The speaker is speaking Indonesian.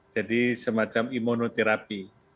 jadi semacam imunoterapi